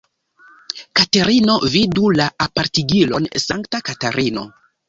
Katerino vidu la apartigilon Sankta Katarino.